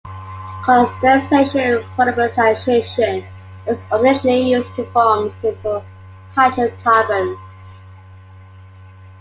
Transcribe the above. Condensation polymerization is occasionally used to form simple hydrocarbons.